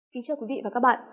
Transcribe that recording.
kính chào quý vị và các bạn